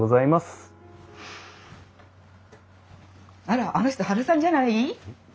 あらあの人ハルさんじゃない？